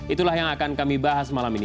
itulah yang akan kami bahas malam ini